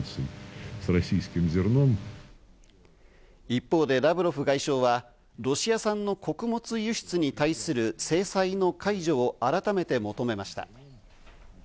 一方でラブロフ外相はロシア産の穀物輸出に対する制裁の解除を改めて求めました。